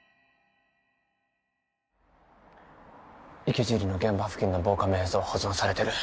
池尻の現場付近の防カメ映像保存されてる？